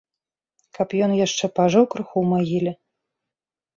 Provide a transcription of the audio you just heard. Каб ён яшчэ пажыў крыху ў магіле.